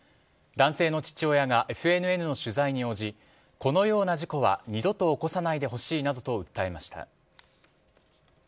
男性の父親がＦＮＮの取材に応じこのような事故は二度と起こさないでほしいなどと訴えました。